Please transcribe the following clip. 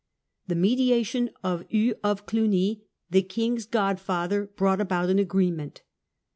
The mediation of Hugh of Cluny, the King's god father, brought about an agreement.